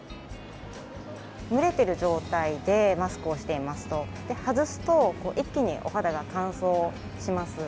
蒸れてる状態でマスクをしていますと、外すと一気にお肌が乾燥します。